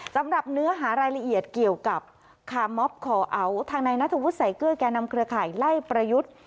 สำหรับเนื้อหารายละเอียดเกี่ยวกับคามอบคอเอาทางนายนัทวุฒิใส่เกลือแก่นำเครือข่ายไล่ประยุทธ์